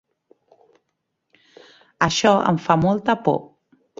Això em fa molta por.